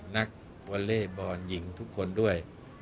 นักวอลเล่บอลหญิงทุกคนด้วย